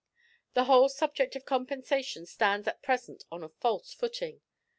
The whole subject of compensation stands at present on a false footing.